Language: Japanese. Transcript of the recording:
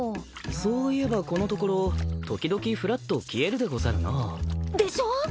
そういえばこのところ時々ふらっと消えるでござるな。でしょう！